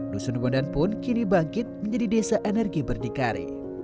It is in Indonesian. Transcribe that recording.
dusun bondan pun kini bangkit menjadi desa energi berdikari